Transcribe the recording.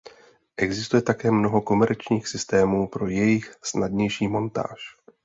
Existuje také mnoho komerčních systémů pro jejich snadnější montáž.